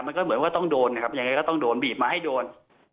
มันก็เหมือนว่าต้องโดนนะครับยังไงก็ต้องโดนบีบมาให้โดน